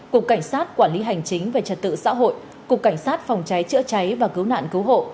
cục cảnh sát quản lý hành chính về trật tự xã hội cục cảnh sát phòng cháy chữa cháy và cứu nạn cứu hộ